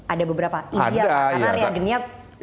ada beberapa india karena yang geniap mereka ke tiga